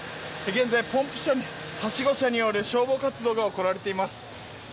現在、はしご車による消防活動が行われています。